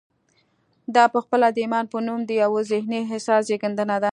دا پخپله د ایمان په نوم د یوه ذهني احساس زېږنده ده